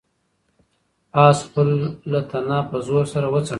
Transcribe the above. آس خپله تنه په زور سره وڅنډله.